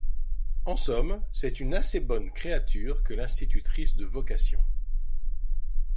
En somme, c’est une assez bonne créature que l’institutrice de vocation.